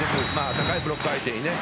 高いブロック相手に。